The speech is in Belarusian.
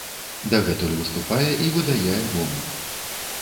Дагэтуль выступае і выдае альбомы.